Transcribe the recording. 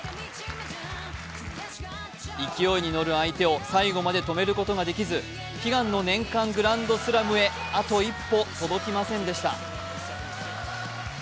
勢いに乗る相手を最後まで止めることができず、悲願の年間グランドスラムへあと一歩届きませんでした。